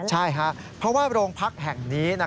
ใช่ครับเพราะว่าโรงพักแห่งนี้